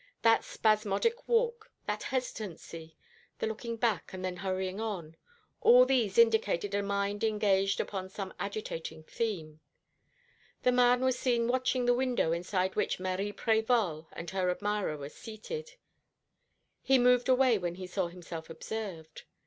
That spasmodic walk, that hesitancy, the looking back, and then hurrying on all these indicated a mind engaged upon some agitating theme. The man was seen watching the window inside which Marie Prévol and her admirer were seated. He moved away when he saw himself observed.